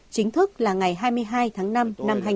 chính thức là ngày hai mươi hai tháng năm năm hai nghìn một mươi sáu